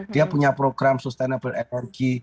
dia punya program sustainable energy